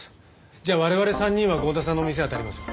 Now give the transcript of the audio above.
じゃあ我々３人は剛田さんの店あたります。